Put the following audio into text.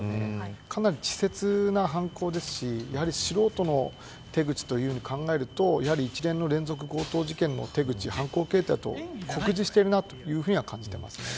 かなり稚拙な犯行ですし素人の手口と考えると一連の連続強盗事件の手口犯行形態と酷似しているなとは感じています。